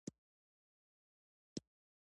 که غواړو چې د ښه او نیکمرغه ژوند سره مخامخ شو.